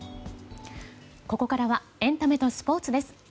ここからはエンタメとスポーツです。